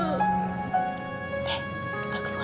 kalau ponselnya richard itu evening perkannya